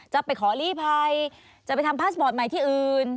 จะไปขอลีภัยจะไปทำพาสปอร์ตใหม่ที่อื่น